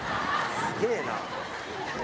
すげえな。